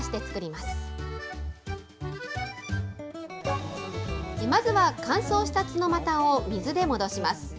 まずは乾燥したツノマタを水で戻します。